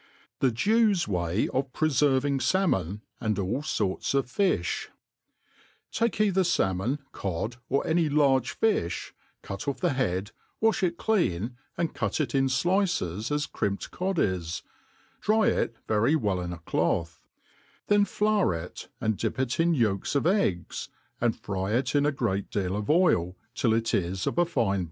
♦. Thi Jews Way of prefervin^ Salmon^ and all Sorts of Fijh* TAKE either falmon, cod, or any large fi(h, cutofFthe liead, wafli it clean, and cut it in flices as crimped cod is, dry It very well in a cloth; then flour it, and dip it in yolks of eggs, and fry it in a great deal of oil, till it is of a fine